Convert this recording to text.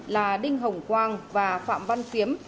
là đinh hồng quang và phạm văn kiếm